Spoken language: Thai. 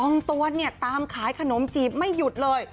ตวนเนี่ยตามขายขนมจีบไม่หยุดเลย